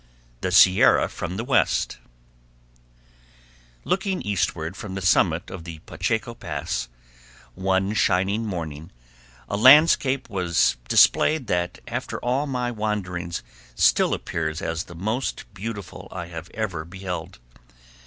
The Sierra From The West Looking eastward from the summit of the Pacheco Pass one shining morning, a landscape was displayed that after all my wanderings still appears as the most beautiful I have ever beheld.